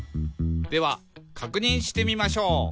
「ではかくにんしてみましょう」